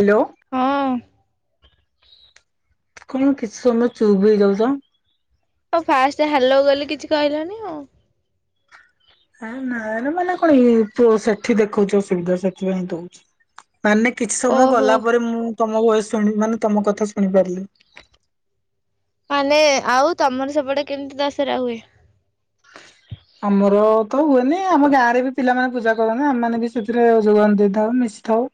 Hello. ହଁ କଣ କିଛି ସମୟ ଚୁପ୍ ହେଇଯାଉଛ? ଆଉ ଫାଷ୍ଟ ହାଲୋ କହିଲି କିଛି କହିଲନି ଆଉ। ଆଁ ନାଁ ଲୋ ମଲା କଣ ଇଏ ପୋ ସେଠି ଦେଖୋଉଚି ଅସୁବିଧା ସେଥିପାଇଁଁ ତ ହୋଉଛି। ମାନେ କିଛି ସମୟ ଓହୋ ଗଲା ପରେ ମୁଁ ତମ ଭଏସ ଶୁଣି ମାନେ ତମ କଥା ଶୁଣିପାରିଲିନି। ମାନେ ଆଉ ତମର ସେପଟେ କେମିତି ଦଶହରା ହୁଏ। ଆମର ତ ହୁଏନି ଆମ ଗାଁ ରେ ବି ପିଲାମାନେ ପୂଜା କରନ୍ତି ଆମେମାନେ ବି ସେଥିରେ ଯୋଗୋଦାନ ଦେଇଥାଉ ମିଶିଥାଉ।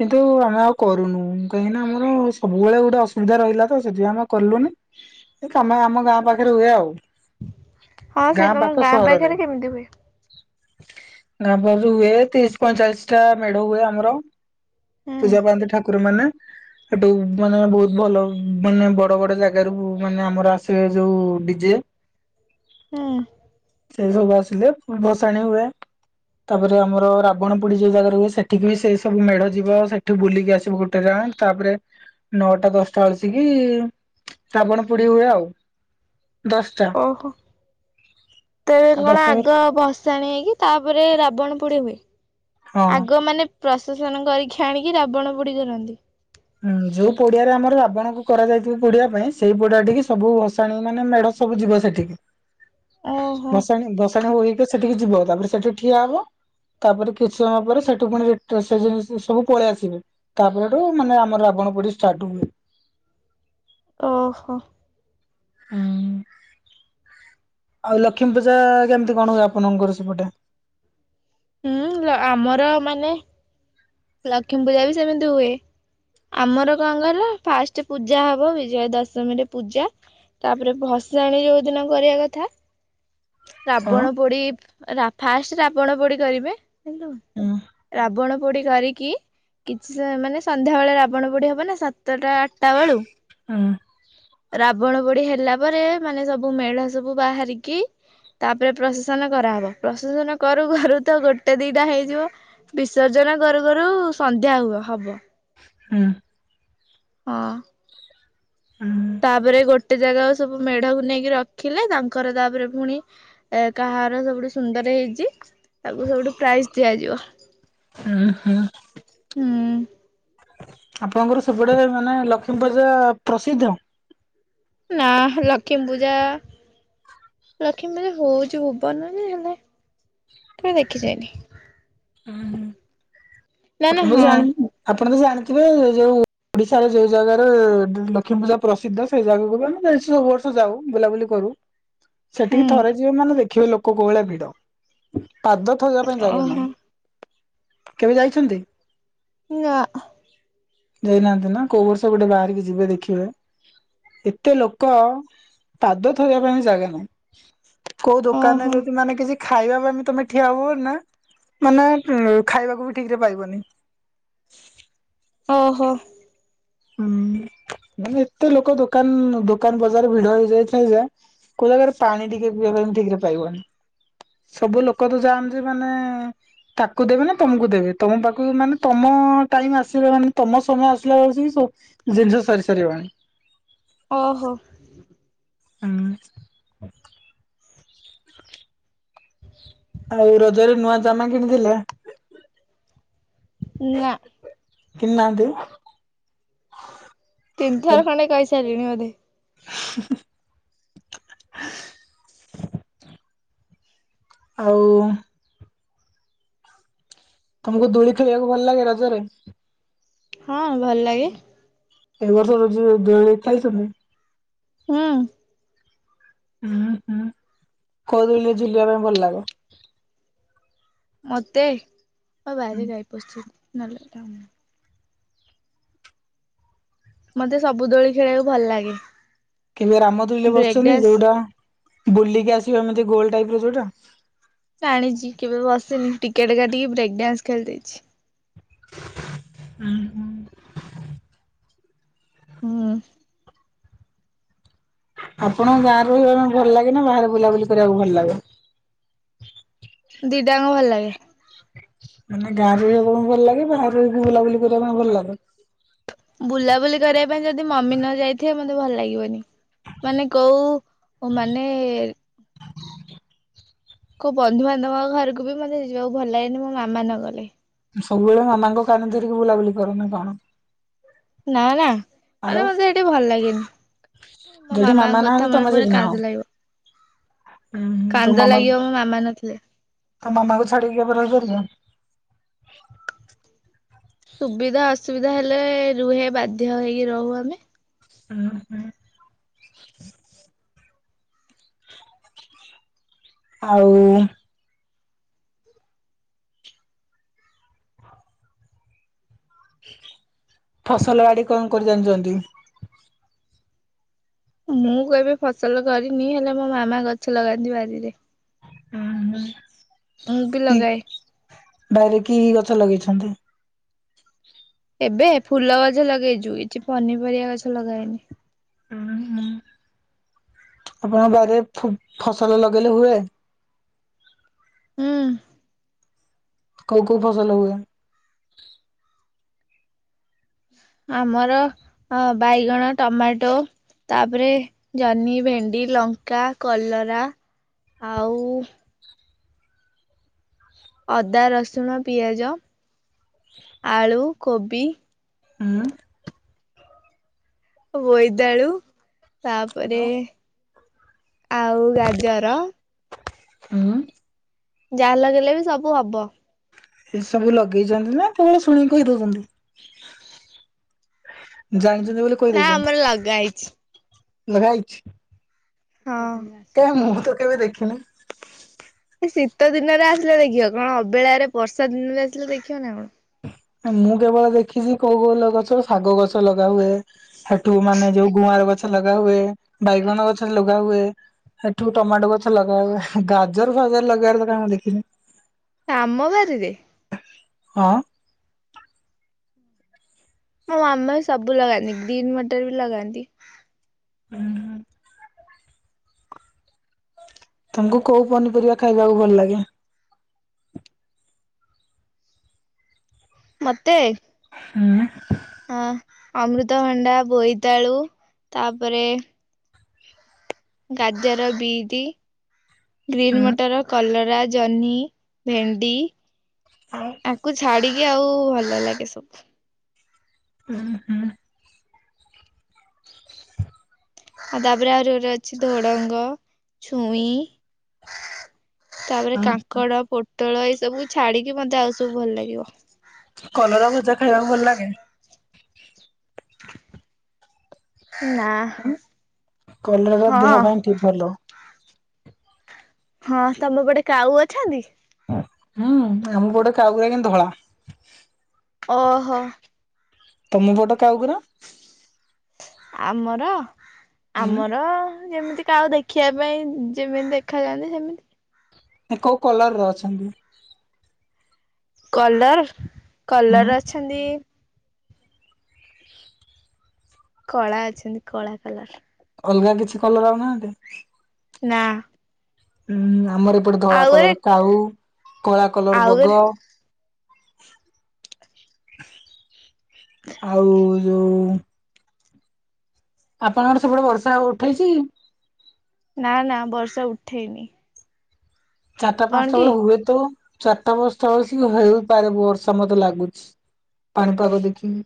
କିନ୍ତୁ ଆମେ ଆଉ କରୁନୁ କାହିଁକିନା ଆମର ସବୁବେଳେ ଗୋଟେ ଅସୁବିଧା ରହିଲା ତ ସେଥିପାଇଁ ଆମେ କଲୁନି। [inaudible] ଏ କାମେ ଆମ ଗାଁ ପାଖରେ ହୁଏ ଆଉ ହଁ ସେ ତମ ପାଖ ଗାଁ ସହରରେ। ପାଖେରେ କେମିତି ହୁଏ। ଗାଁ ପାଖରେ ଯୋଉ ହୁଏ ତିରିଶ ପଇଁଚାଳିଶ ଟା ମେଢ ହୁଏ ଆମର ହୁଁ ପୂଜା ପାଆନ୍ତି ଠାକୁର ମାନେ [inaudible] ହେଟୁ ମାନେ ବୋହୁତ ଭଲ ମାନେ ବଡ ବଡ ଜାଗା ରୁ ମାନେ ଆମର ଆସିବେ ଯୋଉ ଡିଜେ ହୁଁ। ସେଇ ସବୁ ଆସିଲେ ଭସାଣି ହୁଏ। ତାପରେ ଆମର ରାବଣ ପୋଡ଼ି ଯୋଉ ଜାଗାରେ ହଏ ସେଠିକି ବି ସେ ସବୁ ମେଢ ଯିବ ସେଠୁ ବୁଲିକି ଆସିବ ଗୋଟେ ଗା ଗାଁ ତାପରେ ନଅଟା ଦଶଟା ଆସିକି ଶ୍ରାବଣ ପୋଡି ହୁଏ ଆଉ। ଦଶଟା। ଓହୋ। ତେବେ ଆଉ କଣ ଦଶ ଆଗ ଭସାଣି ହେଇକି ତାପରେ ରାବଣ ପୋଡି ହୁଏ। ହଁ ଆଗ ମାନେ ପ୍ରଶେଷନ କରିକ୍ଷୀ ଆଣିକି ରାବଣ ପୋଡିିକ କରନ୍ତି। ହୁଁ ଯୋଉ ପଡିଆରେ ଆମର ରାବଣଙ୍କୁ କରାଯାଇଥିବ ପୋଡ଼ିବା ପାଇଁ ସେଇ ପଡିଆ ଟିକେ ସବୁ ଭସାଣି ମାନେ ମେଢ ସବୁ ଯିବ ସେଠିକି ଓହୋ ଭସାଣୀ ଭସାଣୀ ହୋଇକୀ କି ସେଠିକି ଯିବ ତାପରେ ସେଠି ଠିଆ ହବ। ତାପରେ କିଛି ସମୟ ପରେ ସେଠୁ ପୁଣି ରିଟ ସେଜେ ସେ ସବୁ ପଳେଇ ଆସିବେ ତାପରେ ହେଟୁ ମାନେ ଆମର ରାବଣ ପୋଡ଼ି ଷ୍ଟାଟ ହୁଏ। ଓହୋ। ହୁଁ। ଆଉ ଲକ୍ଷ୍ମୀ ପୂଜା କେମିତି କଣ ହୁଏ ଆପଣଙ୍କର ସେପଟେ ହୁଁ ଆମର ମାନେ ଲକ୍ଷ୍ମୀ ପୂଜା ବି ସେମିତି ହୁଏ। ଆମର କଁ କହିଲ ଫାଷ୍ଟ ପୂଜା ହବ ବିଜୟା ଦଶମୀ ରେ ପୂଜା ତାପରେ ଭ ସାଣି ଯୋଉଦିନ କରିବା କଥା । ହଁ ରାବଣ ପୋଡି ରା ଫାଷ୍ଟ ରାବଣ ପୋଡି କରିବେ । ହୁଁ ଏଲୋ ରାବଣ ଧରିକି କିଛିସ ମାନେ ସନ୍ଧ୍ୟା ବେଳେ ରାବଣ ପୋଡି ହବ ନା ସା ତଟା ଆଟା ବୋଳୁ ହୁଁ। ରାବଣ ପୋଡି ହେ ହେଲା ପରେ ମାନେ ସବୁ ମେଢ ସବୁ ବାହାରିକି ତାପରେ ପ୍ରସେସନ୍ କରାହେବ ପ୍ରସେସନ୍ କରୁ କରୁ ତ ଗୋଟେ ଦିଟା ହେଇଯିବ ବିସର୍ଜନ କରୁ କରୁ ସନ୍ଧ୍ୟା ହୁଅ ହବ । ହୁଁ । ହଁ । ଉଁ ତାପରେ ଗୋ ଟେ ଜାଗାକୁ ସବୁ ମେଢକୁ ନେଇକି ରଖିଲେ ତାଙ୍କର ତାପରେ ପୁଣି ଏ କାହାର ସବୁଠୁ ସୁନ୍ଦର ହେଇଚି। ତାକୁ ସବୁଠୁ ପ୍ରାଇଜ୍ ଦିଆଯିବ ହୁଁ । ଆପଣଙ୍କର ସେପଟେ ମାନେ ଲକ୍ଷ୍ମୀପୂଜା ପ୍ରସିଦ୍ଧ । ନାଁ ଲକ୍ଷ୍ମୀ ପୂଜା ଲକ୍ଷ୍ମୀପୂଜା ହୋଉଚି ଭୁବନରେ ହେଲେ କେବେ ଦେଖିଯାଇନି। ଉହୁଁ। ନା ନା ଆପଣ ତ ହଁ ଜାଣି ଆପଣ ତ ଜାଣିଥିବେ ଯୋଉ ଓଡିଶାର ଯଉ ଜାଗାରେ ଲକ୍ଷ୍ମୀ ପୂଜା ପ୍ରସିଦ୍ଧ ସେଇ ଜାଗାକୁ ବି ଆମେ ଯାଇଛୁ ସବୁ ବର୍ଷ ଯାଉ ବୁଲାବୁଲି କରୁ। ସେଠିକି ହୁଁ ଥରେ ଯିବେ ମାନେ ଦେଖିବେ ଲୋକ କୋଉଭଳିଆ ଭିଡ । ପାଦ ଥୋଇବା ପାଇଁ ଜାଗେ ଓହୋ ନାଇ, କେବେ ଯାଇଛନ୍ତି? ନା। ଯାଇନାହାନ୍ତି ନା କୋଉ ବର୍ଷ ଗୋଟେ ବାହାରିକି ଯିବେ ଦେଖିବେ। ଏତେ ଲୋକ ପାଦ ଥୋଇବା ପାଇଁ ବି ଜାଗା ନାହିଁ । କୋଉ ଓହୋ ଦୋକାନରେ ଯଦି ମାନେ କିଛି ଖାଇବା ପାଇଁ ବି ତମେ ଠିଆ ହୁଅନା, ମାନେ ଉଁ ଖାଇବାକୁ ବି ଠିକ୍ ରେ ପାଇବନି। ଓହୋ। ଉଁ ମାନେ ଏତେ ଲୋକ ଦୋକାନ ଦୋକାନ ବଜାର ଭିଡ ହେଇ ଯାଇଥାଏ ଯା କୋଉ ଜାଗାରେ ପାଣି ଟିକେ ପିଇବା ପାଇଁବି ଠିକ୍ ରେ ପାଇବନି। ସବୁ ଲୋକ ତ ଯାଆନ୍ତି ମାନେ ତାକୁ ଦେବେ ନା ତମକୁ ଦେବେ ତମ ପାଖକୁ ମାନେ ତମ ଟାଇମ ଆସିବ ମାନେ ତମ ସମୟ ଆସିଲା ବେଳକୁ ହିଁ ହଉ ଜିନଷ ସରି ସାରିବଣି। ଓହୋ। ଉଁ। ଆଉ ରଜରେ ନୂଆ ଜାମା କିଣିଥିଲେ? ନା। କିଣି ନାହାନ୍ତି? ତିନଥର ଖଣ୍ଡେ କହି ସାରିଲେଣି ବୋଧେ। ଆଉ ତମୁକୁ ଦୋଳି ଖେଳିବାକୁ ଭଲ ଲାଗେ ରଜରେ? ହଁ ଭଲ ଲାଗେ। ଏ ବର୍ଷ ରଜରେ ଦୋଳି ଖେଳିଚନ୍ତି? ହୁଁ। ହୁଁ ହୁଁ କୋଉ ଦୋଳିରେ ଝୁଲିିବା ପାଇଁ ଭଲ ଲାଗେ? ମତେ? ମା ବାରିରେ ଗାଈ ପଶଚି ନଲେ କଥା ମତେ ସବୁ ଦୋଳି ଖେଳିବାକୁ ଭଲ ଲାଗେ। କେବେ ରାମ ଦୋଳିରେ ବ୍ରେକ୍ ବସଛନ୍ତି? ଡ୍ୟାନ୍ସ ଯୋଉଟା ବୁଲିକି ଆସିବ ଏମିତି ଗୋଲ ଟାଇପର ଯୋଉଟା। ସେ ଟିକେଟ କାଟିକି ବ୍ରେକ ଡ୍ୟାନ୍ସ ଖେଳ ଦେଇଛି। ଉଁ ହୁଁ। ହୁଁ। ଆପଣଙ୍କୁ ଗାଁରେ ରହିବା ପାଇଁ ଭଲ ଲାଗେ, ନା ବାହାରେ ବୁଲାବୁଲି କରିବାକୁ ଭଲ ଲାଗେ? ଦିଟାଙ୍କ ଭଲ ଲାଗେ। ମାନେ ଗାଁ ରେ ରହିବା ପାଇଁ ଭଲ ଲାଗେ, ବାହାରେ ରହି ବୁଲାବୁଲି କରିବା ପାଇଁ ଭଲ ଲାଗେ? ବା ଯଦି ମମି ନ ଯାଇଥିବେ ମତେ ଭଲ ଲାଗିବନି। ମାନେ କୋଉ, ମାନେ କୋଉ ବନ୍ଧୁ ବାନ୍ଧବଙ୍କ ଘରକୁ ବି ମତେ ଯିବାକୁ ଭଲ ଲାଗେନି, ମୋ ମାମା ନ ଗଲେ। ସବୁବେଳେ ମାମାଙ୍କ କାନି ଧରିକି ବୁଲାବୁଲି କରୁନା କଣ? ନା ନା ଆଉ ମାନେ ମତେ ସେଠି ଭଲ ଲାଗେନି। ମୋ ଯଦି ମାମା ମାମାଙ୍କ ନାହାନ୍ତି କଥା ମନେ ପଡ଼ିଲେ କାନ୍ଦ ଲାଗିବ। ଉଁ ହୁଁ ତମ କାନ୍ଦ ମାମା ଲାଗିବ ମୋ ମାମା ନଥିଲେ ତମ ମାମାକୁ ଛାଡିକି କେବେ ରହି ପାରିବ? ସୁବିଧା ଅସୁବିଧା ହେଲେ ରୁହେ ବାଧ୍ୟ ହେଇ ରହୁ ଆମେ। ଉଁ ହୁଁ। ଆଉ ଫସଲ ବାଡ଼ି କଣ କରି ଜାଣିଛନ୍ତି? ମୁଁ କେବେ ଫସଲ କରିନି। ହେଲେ ମୋ ମାମା ଗଛ ଲଗାନ୍ତି ବାରିରେ। ଉଁ, ହୁଁ, ମୁଁ ବି କି ଲଗାଏ ବାରିରେ କି ଗଛ ଲଗେଇଛ? ଛନ୍ତି ଏବେ ଫୁଲ ଗଛ ଲଗେଇଚୁ। କିଛି ପନିପରିବା ଗଛ ଲଗାହେଇନି। ହୁଁ ହୁଁ [inaudible] ଆପଣଙ୍କ ବାରିରେ ଫୁ ଫସଲ ଲଗେଇଲେ ହୁଏ? ହୁଁ। କୋଉ କୋଉ ଫସଲ ହୁଏ? ଆମର ହଁ ବାଇଗଣ, ଟମାଟୋ ତାପରେ ଜହ୍ନି, ଭେଣ୍ଡି, ଲଙ୍କା, କଲରା। ଆଉ ଅଦା, ରସୁଣ, ପିଆଜ, ଆଳୁ, କୋବି ହୁଁ, ବୋଇତାଳୁ ତାପରେ ଆଉ ଗାଜର ହୁଁ। ଯାହା ଲଗେଇଲେ ବି ସବୁ ହବ। ଏ ସବୁ ଲଗେଇଚନ୍ତି ନା? କୋଉଠୁ ଶୁଣିକି କହିଦଉଚନ୍ତି? ଜାଣିଚ ନା ଆମର ଲଗାହେଇଛି। ଲଗାହେଇଛି? ହଁ। କେବେ ଦେଖିନି? ଶୀତ ଦିନରେ ଆସିଲେ ଦେଖିବ। କଣ ଅବେଳାରେ ବର୍ଷା ଦିନରେ ଆସିଲେ ଦେଖିବ ନା କଣ? ଏ ମୁଁ କେବଳ ଦେଖିଚି କୋଉ କୋଉ ଲ- ଗଛ ଶାଗ ଗଛ ଲଗା ହୁଏ। ସେଠୁ ମାନେ ଯୋଉ ଗୁଆଁର ଗଛ ଲଗା ହୁଏ, ବାଇଗଣ ଗଛ ଲଗା ହୁଏ। ସେଠୁ ଟମାଟୋ ଗଛ ଲଗାହୁଏ। ଗାଜର ଫାଜର ଲଗେଇବାରେ ତ କାଁଇଁ ମୁଁ ଦେଖିନି। ଆମ ବାରିରେ? ହଁ। ମୋ ମାମା ବି ସବୁ ଲଗାନ୍ତି। ଗ୍ରୀନ୍ ମଟର ବି ଲଗାନ୍ତି। ଉଁ, ହୁଁ। ତୋମକୁ କୋଉ ପନିପରିବା ଖାଇବାକୁ ଭଲ ଲାଗେ? ମୋତେ? ହୁଁ। ଆ, ଅମୃତଭଣ୍ଡା, ବୋଇତାଳୁ ତାପରେ ଗାଜର, ବିଟି, ଗ୍ରୀନ୍ ଉଁ ମଟର, କଲରା ଜହ୍ନି, ଭେଣ୍ଡି ଆକୁ ଛାଡି କି ଆଉ ଭଲ ଲାଗେ ସବୁ। ଅଁ, ହଁ। ଆଉ ତାପରେ ଆଉରି ଗୋଟ ଅଛି ଧୋଡଙ୍ଗ, ଛୁଇଁ ତାପରେ କାଙ୍କଡ, ପୋଟଳ ଏଇ ସବୁ ଛାଡିକି ମୋତେ ଆଉ ସବୁ ଭଲ ଲାଗିବ। କଲରା ଭଜା ଖାଇବାକୁ ଭଲ ଲାଗେ? ନା କଲରା ହଁ ଦେହ ପାଇଁ ଠିକ ଭଲ। ହଁ ତୋମ ପଟେ କାଉ ଅଛନ୍ତି? ହଁ ଆମ ପଟେ କାଉ ଗୁରା କିନ୍ ଧଳା। ଓହୋ! ତୋମ ପଟ କାଉ ଗୁରା? ଆମର? ଆମର ଯେମିତି କାଉ ଦେଖିବା ପାଇଁ, ଯେମିତି ଦେଖା ଯାଆନ୍ତି ସେମିତି। ଏ କୋଉ କଲର୍ ର ଅଛନ୍ତି? କଲର ହୁଁ କଲର ଅଛନ୍ତି କଳା ଅଛନ୍ତି କଳା କଲର ଅଲଗା କିଛି କଲର ଆଉନାହାନ୍ତି। ନା ହୁଁ ଆମର ଏପଟେ ଧଳା ଆଉ ଗୋରେ କଲର କାଉ କଳା କଲର ଆଉ ଗୋରେ ବଗ ଆଉ ଯଉ ଆପଣଙ୍କର ସବୁବେଳେ ବର୍ଷା ଉଠେଇଛି କି? ନା ନା ବର୍ଷା ଉଠେଇନି। ଚାରିଟା କଣ ପାଞ୍ଚଟା କି ବେଳେ ହୁଏ ତ ଚାରିଟା ବର୍ଷା ହେଉଛି ହେଇପାରେ ବର୍ଷା ମତେ ଲାଗୁଛି। ପାଣିପାଗ ଦେଖିକି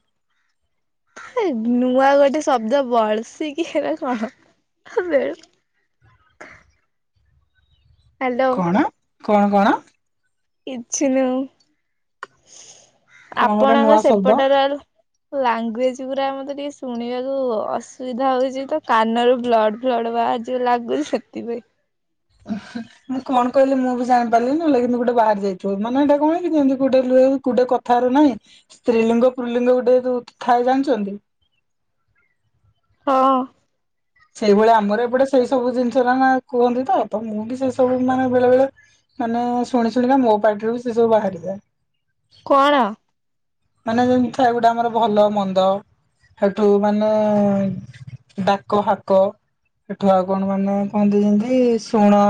ନୂଆ ଗୋଟେ ଶବ୍ଦ ବଳସିକି ହେରା କଣ? ଆବେ, ହ୍ୟାଲୋ, କଣ କଣ କଣ କିଛିନୁଉଁ। କଣ ଗୋଟେ ନୂଆ ଆପଣଙ୍କ ଶବ୍ଦ। ସେପଟର ଲାଙ୍ଗୁଏଜ ପୁରା ମତେ ଟିକେ ଶୁଣିବାକୁ ଅସୁବିଧା ହଉଛି ତ କାନରୁ ବ୍ଲଡ ଫ୍ଲଡ ବାହାରିିବ ଲାଗୁ ସେଥିପାଇଁ। ମୁଁ କଣ କହିଲି ମୁଁ ବି ଜାଣିପାରିଲି ନହେଲେ କିନ୍ତୁ ଗୋଟେ ବାହାରି ଯାଇଥିବ ମାନେ ଏଇଟା କଣ କି ଯେମିତି ଗୁଟେ ଗୁଟେ କଥାର ନାହିଁ ସ୍ତ୍ରୀଲିଙ୍ଗ ପୁର୍ଲିଙ୍ଗ ଗୁଟେ ଯୋ ଥାଏ ଜାଣିଚନ୍ତି। ହଁ, ସେଇଭଳିଆ ଆମର ଏପଟେ ସେଇ ସବୁ ଜିନିଷଟ ନା କୁହନ୍ତି ତ ତ ମୁଁ ବି ସେଇ ସବୁ ମାନେ ବେଳେ ବେଳେ ମାନେ ଶୁଣି ଶୁଣିବା ମୋ ପାଟିରୁ ବି ସେ ସବୁ ବାହାରିଯାଏ। କଣ? ମାନେ ଯେମିତି ଥାଏ ଗୋଟେ ଆମର ଭଲ ମନ୍ଦ ହେଠୁ ମାନେ ଡାକ ହାକ ଏଠୁ ଆଉ କଣ ମାନେ କୁହନ୍ତି ଯେମିତି ଶୁଣ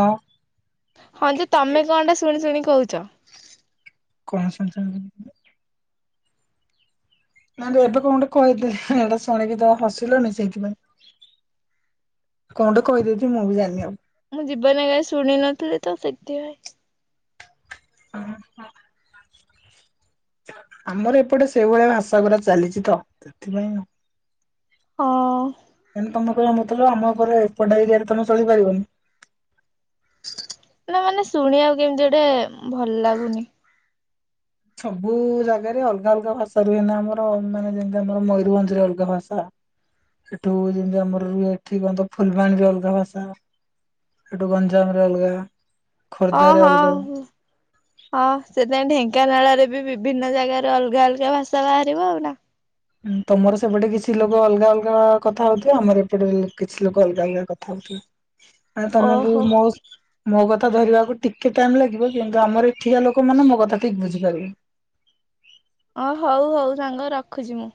ହଁ ଯେ ତମେ କଣ ଟା ଶୁଣି ଶୁଣି କହୁଛ? କଣସସ ନାଇ ଏବେ କଣ ଗୋଟେ କହିଥିଲି ଏଟା ଶୁଣିକି ତ ହସିଲନି ସେଇଥିପାଇଁ କଣଗୁଟେ କହିଦେଇଚି ମୁଁ ବି ଜାଣିନି ଆଉ। ମୁଁ ଜୀବନରେ ସୁୂଣିନଥିଲି ତ ସେଇଥି ପାଇଁ। [unintelligible] ଆମର ଏପଟେ ସେଇଭଳିଆ ଭାସାଗୁରା ଚାଲିଛି ତ ସେଥିପାଇଁ ଆଉ। ହଁ ମାନେ ତମର ମତ ଆମ ଘରେ ଏପଟ ଏରିଆରେ ତମେ ଚଳିପାରିବନି। ନା ମାନେ ଶୁଣିବାକୁ କେମତି ଗୋଟେ ଭଲ ଲାଗୁନି। ସବୁ ଜାଗାରେ ଅଲଗା ଅଲଗା ଭାଷା ରୁହେନା ଆମର ମାନେ ଯେମିତି ଆମର ମୟୂରଭଞ୍ଜ ରେ ଅଲଗା ଭାଷା। ଏଠୁ ଯେମିତି ଆମର ରୁହେ ଏଠି କହନ୍ତ ଫୁଲବାଣୀ ବି ଅଲଗା ଭାଷା। ଏଠୁ ଗଞ୍ଜାମରେ ଅଲଗା। ଓ ଖୋର୍ଦ୍ଧାରେ ହଁ ଅଲଗା ହଁ ସେଥିପାଇଁ ଢେ ଢେଙ୍କାନାଳରେ ବି ବିଭିନ୍ନ ଜାଗାରେ ଅଲଗା ଅଲଗା ଭାଷା ବାହାରିବ ଆଉ ନା। ଉଁ ତମର ସେପଟେ କିଛି ଲୋକ ଅଲଗା ଅଲଗା କଥା ହଉଥିବ ଆମର ଏପଟେ କିଛି ଲୋକ ଅଲଗା ଅଲଗା କଥା ହଉ। ମାନେ ତମକୁ ଓହୋ ମୋ। ମୋ କଥା ଧରିବାକୁ ଟିକେ ଟାଇମ ଲାଗିବ କିନ୍ତୁ ଆମର ଏଠିକା ଲୋକ ମାନେ ମୋ କଥା ଠିକ ବୁଝିପାରିବେ। ଅ ହଉ ହଉ ସାଙ୍ଗ ରଖୁଛି ମୁଁ।